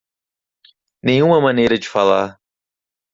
Nenhuma maneira de falar